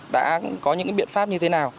đã có những biện pháp như thế nào